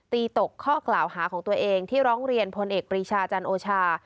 ตกข้อกล่าวหาของตัวเองที่ร้องเรียนพลเอกปรีชาจันโอชา